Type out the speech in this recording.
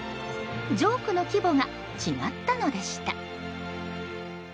ジョークの規模が違ったのでした。